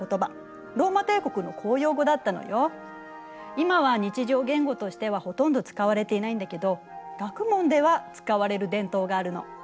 今は日常言語としてはほとんど使われていないんだけど学問では使われる伝統があるの。